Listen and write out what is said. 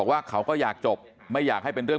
มันต้องการมาหาเรื่องมันจะมาแทงนะ